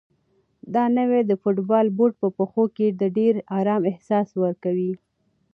دا نوی د فوټبال بوټ په پښو کې د ډېر ارام احساس ورکوي.